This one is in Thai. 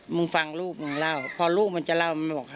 นี่มึงฟังลูกมึงเล่าขอลูกมันจะเล่าครับ